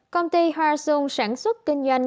công ty waisung sản xuất kinh doanh